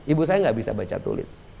ibu saya nggak bisa baca tulis